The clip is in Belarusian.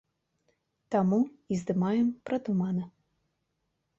Таму і здымаем пра туманы.